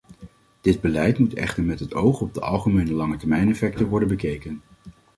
Dit beleid moet echter met het oog op de algemene langetermijneffecten worden bekeken.